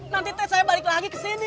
nanti teh saya balik lagi kesini